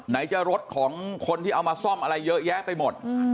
ไหนจะรถของคนที่เอามาซ่อมอะไรเยอะแยะไปหมด